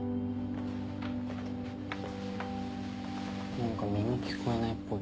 何か耳聞こえないっぽい。